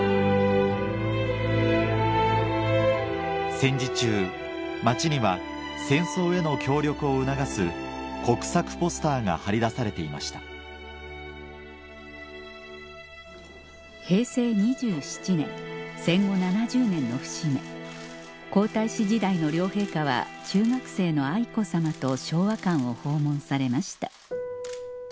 戦時中街には戦争への協力を促す国策ポスターが張り出されていました平成２７年戦後７０年の節目皇太子時代の両陛下は中学生の愛子さまと昭和館を訪問されました